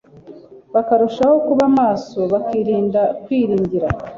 bakarushaho kuba maso, bakirinda kwiringira